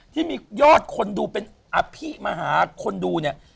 ที่มียอดคนดูเป็นอภิมหาคนดูเนี่ย